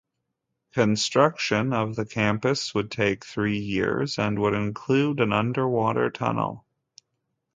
Construction of the campus would take three years and would include an underwater tunnel.